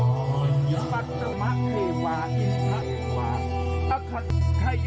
จุดอีกนะว่าเฮ้ยเป็นบีอย่างงี้เกิดขึ้นด้วย